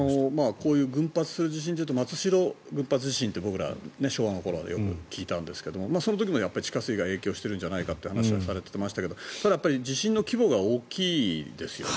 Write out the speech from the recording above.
こういう群発する地震というと松代群発地震って僕ら、昭和の頃はよく聞いたんですがその時も地下水が影響してるんじゃないかという話をされていましたがただ、地震の規模が大きいですよね。